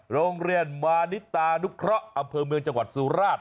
โรงเรียนมานิตานุเคราะห์อำเภอเมืองจังหวัดสุราช